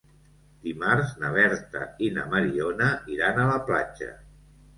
Dimarts na Berta i na Mariona iran a la platja.